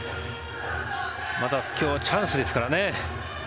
また今日はチャンスですからね。